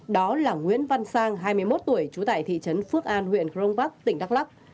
đó là nguyễn văn sang hai mươi một tuổi trú tại thị trấn phước an huyện cronvac tỉnh đắk lắk